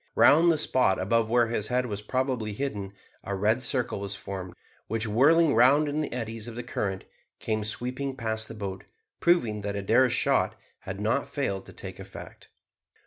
Round the spot above where his head was probably hidden, a red circle was formed, which, whirling round in the eddies of the current, came sweeping past the boat, proving that Adair's shot had not failed to take effect.